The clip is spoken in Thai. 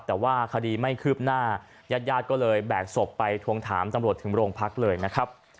แต่ว่าคดีไม่คืบหน้าญาติญาติก็เลยแบกศพไปทวงถามตำรวจถึงโรงพักเลยนะครับ